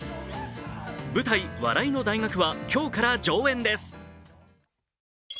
舞台「笑の大学」は今日から上演です。